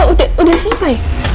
oh udah selesai